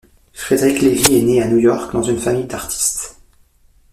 Frederick Lévy est né à New York dans une famille d'artistes.